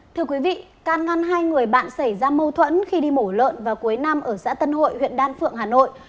thưa quý vị can ngăn hai người bạn xảy ra mâu thuẫn khi đi mổ lợn vào cuối năm ở xã tân hội huyện đan phượng hà nội